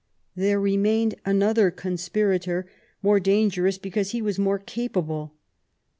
There remained another conspirator, more danger ous because he was more capable.